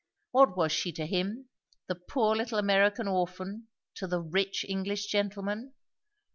What was she to him, the poor little American orphan, to the rich English gentleman?